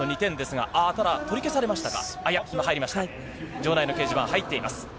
場内の掲示板、入っています。